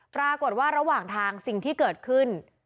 ระหว่างทางสิ่งที่เกิดขึ้น